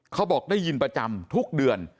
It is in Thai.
เขาบอกได้ยินประจำทุกเดือน